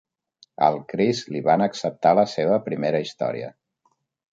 Al Chris li van acceptar la seva primera història.